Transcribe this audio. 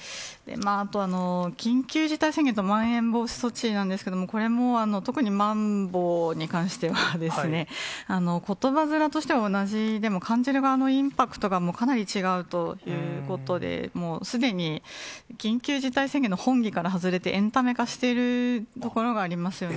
あと、緊急事態宣言とまん延防止措置なんですけれども、これも特にまんぼうに関しては、ことば面としては同じでも、感じる側のインパクトがもうかなり違うということで、すでに緊急事態宣言の本義から外れて、エンタメ化しているところがありますよね。